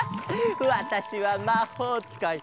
わたしはまほうつかい。